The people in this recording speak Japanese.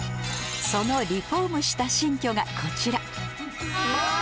そのリフォームした新居がこちらステキ！